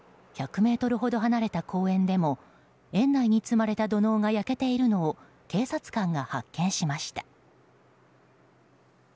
１００ｍほど離れた公園でも園内に積まれた土のうが焼けているのを警察官が発見しました。